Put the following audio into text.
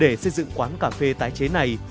để xây dựng quán cà phê tái chế này